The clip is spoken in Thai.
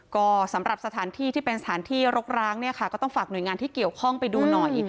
ก็สำหรับสถานที่ที่เป็นสถานที่รกร้างเนี่ยค่ะก็ต้องฝากหน่วยงานที่เกี่ยวข้องไปดูหน่อย